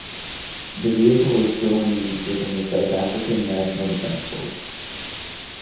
The vehicle is still in use within the South African National Defence Force.